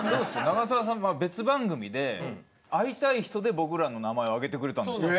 長澤さん別番組で会いたい人で僕らの名前を挙げてくれたんですよ。